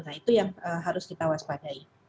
nah itu yang harus kita waspadai